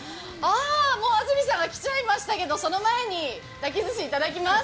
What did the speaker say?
安住さんがもう来ちゃいましたけど、その前に、だき寿司いただきます。